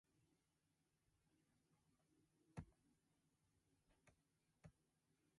手探りの日々に出会った手ごたえはあなたの笑顔で